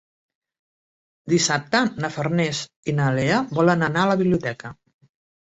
Dissabte na Farners i na Lea volen anar a la biblioteca.